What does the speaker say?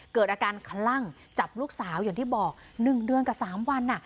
เกิดอาการคลั่งจับลูกสาวอย่างที่บอก๑เดือนกับ๓วัน